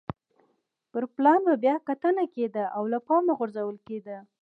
پر پلان به بیا کتنه کېده او له پامه غورځول کېده.